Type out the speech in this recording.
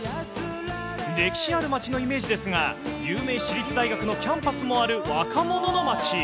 歴史ある街のイメージですが、有名私立大学のキャンパスもある若者の街。